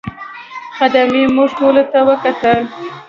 خدمې موږ ټولو ته وکتل.